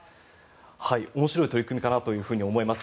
面白い取り組みかなと思います。